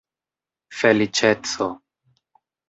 feliĉeco